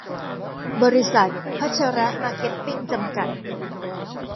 บริษัท พชร มาร์เก็ตติ้ง จำกัด